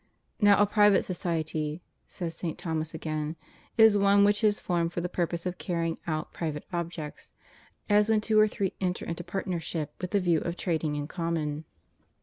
"Now a private society," says St. Thomas again, "is one which is formed for the purpose of carrying out private objects; as when two or three enter into partnership with the view of trad ing in common."